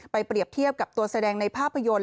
เปรียบเทียบกับตัวแสดงในภาพยนตร์